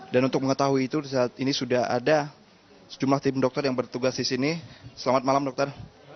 dan untuk mengetahui itu saat ini sudah ada sejumlah tim dokter yang bertugas di sini selamat malam dokter